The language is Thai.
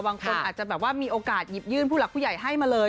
บางคนอาจจะแบบว่ามีโอกาสหยิบยื่นผู้หลักผู้ใหญ่ให้มาเลย